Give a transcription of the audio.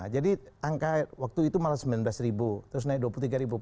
jadi angka waktu itu malah sembilan belas ribu terus naik dua puluh tiga ribu